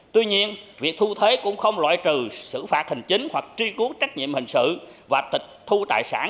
tuy nhiên việc thu thuế cũng không loại trừ xử phạt hành chính hoặc truy cứu trách nhiệm hình sự và tịch thu tài sản